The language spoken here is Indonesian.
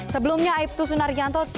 sebelumnya aibtu sunaryanto